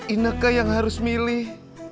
ineke yang harus milih